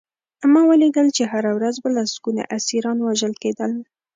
ما ولیدل چې هره ورځ به لسګونه اسیران وژل کېدل